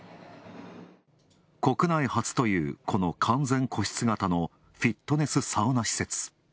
国内初という、この完全個室型のフィットネス・サウナ施設。